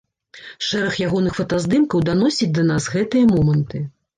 Шэраг ягоных фотаздымкаў даносіць да нас гэтыя моманты.